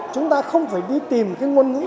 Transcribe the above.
chúng ta không phải đi tìm cái ngôn ngữ